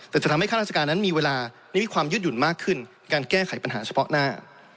แต่จะทำให้ข้าราชการนั้นมีเวลานี้มีความยืดหยุ่นมากขึ้นการแก้ไขปัญหาเฉพาะหน้า